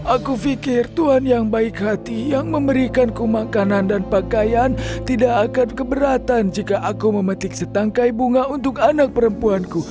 aku pikir tuhan yang baik hati yang memberikanku makanan dan pakaian tidak akan keberatan jika aku memetik setangkai bunga untuk anak perempuanku